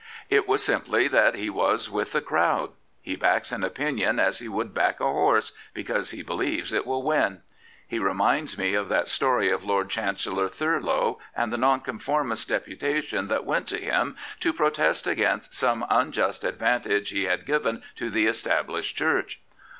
It was simply that he was with the crowd. He backs an opinion as he would back a horse — because he believes it will win. He reminds me of that story of Lord Chancellor Thurlow and the Nonconformist deputation that went to him to protest against some unjust advantage he had given to the Established Church.